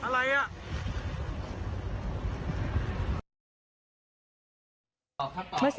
จะเปิดได้ยังไงเนี่ยอะไรอ่ะ